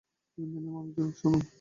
ইউনিয়নের মানুষজন, শোনো!